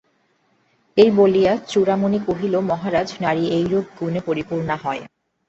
এই বলিয়া চূড়ামণি কহিল মহারাজ নারী এইরূপ গুণে পরিপূর্ণা হয়।